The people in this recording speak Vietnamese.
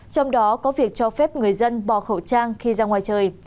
trong đó có việc cho phép người dân bỏ khẩu trang khi ra ngoài trời